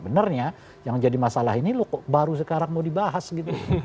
benarnya yang jadi masalah ini loh kok baru sekarang mau dibahas gitu